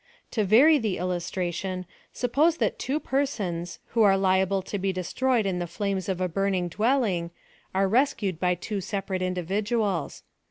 To vary the illustra tion — suppose that two persons, who are liable to be destroyed in the flames of a burning dwelling, are rescued by two separate individuals.